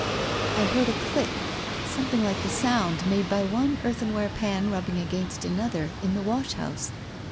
... I heard a click — something like the sound made by one earthenware pan rubbing against another, in the wash house.